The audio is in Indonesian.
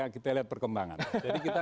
kita lihat perkembangan jadi kita